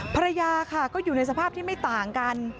ภรรยาค่ะก็อยู่ในสภาพที่ไม่ต่างกัน